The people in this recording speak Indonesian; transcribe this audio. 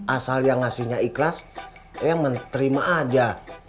asal yang ngasihnya ikhlas eyang mene terima aja